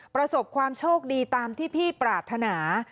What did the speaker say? ประสบความโชคดีตามที่พี่ปรารถนา